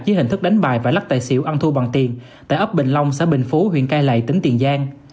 với hình thức đánh bạc và lắc tài xỉu ăn thu bằng tiền tại ấp bình long xã bình phố huyện cai lạy tỉnh tiền giang